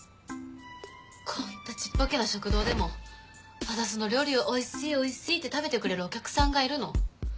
こんたちっぽけな食堂でも私の料理おいしいおいしいって食べてくれるお客さんがいるの。